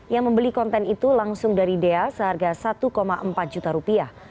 yang membeli konten itu langsung dari dea seharga satu empat juta rupiah